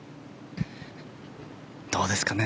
どうですかね。